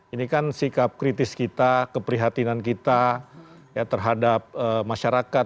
ini kan sikap kritis kita keprihatinan kita ya terhadap masyarakat